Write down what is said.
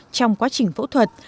trong quá trình phẫu thuật